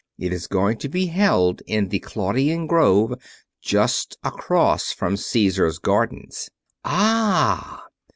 It is going to be held in the Claudian Grove, just across from Caesar's Gardens." "Ah!"